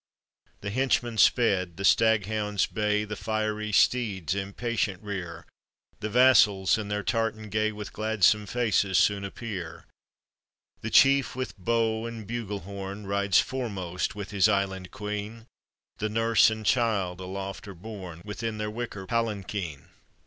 The henchman sped, the staghounds bay, The fiery steeds impatient rear, The vassals in their tartan gay, With gladsome faces soon appear. The chief with bow and buglehorn Rides foremost with his island queen, The nurse and child aloft are borne Within their wicker palanquin.